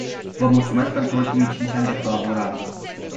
Vă mulțumesc pentru ultimii cinci ani de colaborare.